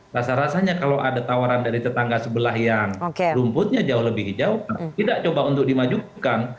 rasa rasanya kalau ada tawaran dari tetangga sebelah yang rumputnya jauh lebih hijau tidak coba untuk dimajukan